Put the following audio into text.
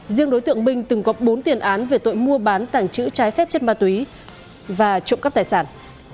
riêng đối tượng minh từng có bốn tuyển án về tội mua bán tàng chữ trái phép trên ma túy và trộm cắp tài sản